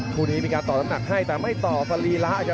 คู่นี้มีการต่อน้ำหนักให้แต่ไม่ต่อสรีระครับ